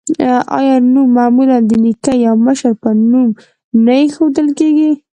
آیا نوم معمولا د نیکه یا مشر په نوم نه ایښودل کیږي؟